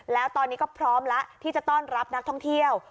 แล้วตอนนี้ก็พร้อมแล้วที่จะต้อนรับนักท่องเที่ยว